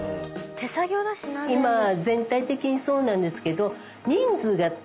今全体的にそうなんですけど。